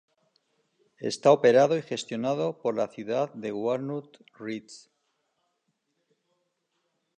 Está operado y gestionado por la ciudad de Walnut Ridge.